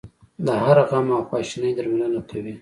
د هر غم او خواشینۍ درملنه کوي.